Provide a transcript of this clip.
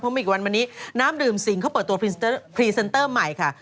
มีอีกวันวันนี้น้ำดื่มสิงเขาเปิดตัวพรีเซนเตอร์ใหม่ค่ะ